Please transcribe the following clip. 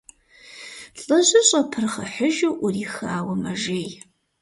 Лӏыжьыр щӀэпырхъыхьыжу Ӏурихауэ мэжей.